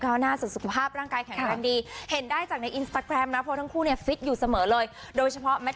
ขอกำลังกายเพิ่มอะไรก็ไม่ได้ช่วยอะไร